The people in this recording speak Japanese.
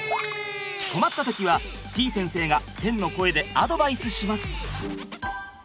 困った時はてぃ先生が天の声でアドバイスします。